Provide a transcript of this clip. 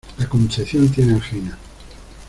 La Concepción tiene anginas.